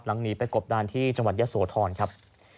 หลังนี้ไปกบด้านที่จังหวัดยศโทรณครับ